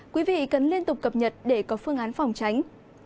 quý vị cần liên tục cập nhật để có phương án phòng tránh